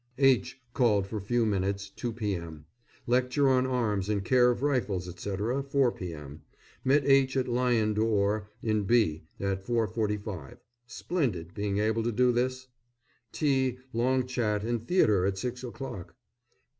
H. called for few minutes, 2 p.m. Lecture on arms and care of rifles, etc., 4 p.m. Met H. at Lion d'Or in B. at 4.45 (splendid being able to do this). Tea, long chat and theatre at six o'clock.